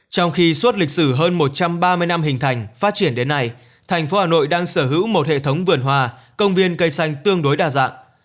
trong khi suốt lịch sử hơn một trăm ba mươi năm hình thành phát triển đến nay thành phố hà nội đang sở hữu một hệ thống vườn hòa công viên cây xanh tương đối đa dạng